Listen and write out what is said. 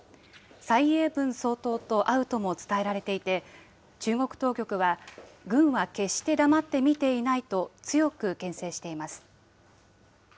蔡英文総統と会うとも伝えられていて、中国当局は、軍は決して黙って見ていないと強くけん制しています。